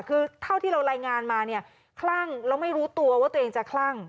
คือเท่าที่เรารายงานมาเนี่ยคลั่งแล้วไม่รู้ตัวว่าตัวเองจะคลั่ง